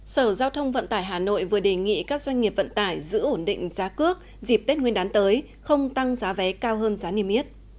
sở giao thông vận tải hà nội vừa đề nghị các doanh nghiệp vận tải giữ ổn định giá cước dịp tết nguyên đán tới không tăng giá vé cao hơn giá niêm yết